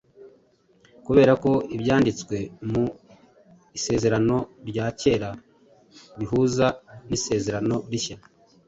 Kubera ko Ibyanditswe mu Isezerano rya Kera bihuza n’Isezerano Rishya